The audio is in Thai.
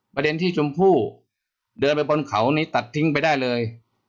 ประเด็นที่ชมพู่เดินไปบนเขานี้ตัดทิ้งไปได้เลย